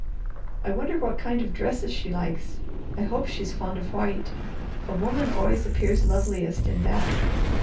I wonder what kind of dresses she likes. I hope she's fond of white. A woman always appears loveliest in that.